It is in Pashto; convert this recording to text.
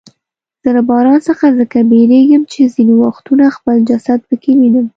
زه له باران څخه ځکه بیریږم چې ځیني وختونه خپل جسد پکې وینم.